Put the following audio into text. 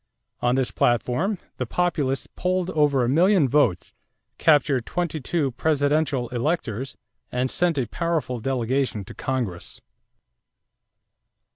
On this platform, the Populists polled over a million votes, captured twenty two presidential electors, and sent a powerful delegation to Congress.